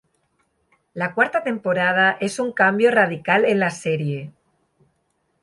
La cuarta temporada es un cambio radical en la serie.